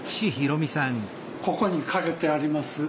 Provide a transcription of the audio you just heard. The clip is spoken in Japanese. ここに掛けてあります